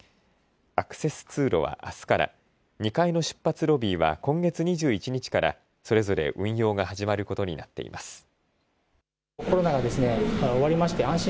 アクセス通路はあすから、２階の出発ロビーは今月２１日からそれぞれ運用が始まることになっています。